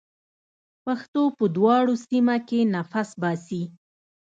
پښتو په دواړو سیمه کې نفس باسي.